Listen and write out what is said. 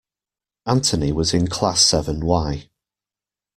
Anthony was in class seven Y.